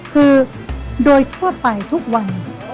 คือโดยทั่วไปทุกวัน